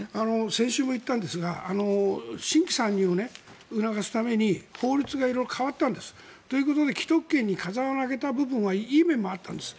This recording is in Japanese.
先週も言ったんですが新規参入を促すために法律が色々変わったんです。ということで既得権に風穴を開けた部分はいい面もあったんです。